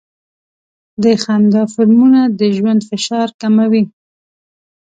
د خندا فلمونه د ژوند فشار کموي.